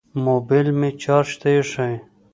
موبیل مې چارج ته ایښی